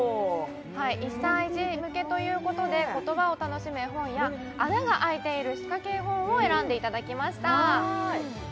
１歳児向けということで言葉を楽しむ絵本や穴があいているしかけ絵本を選んでいただきました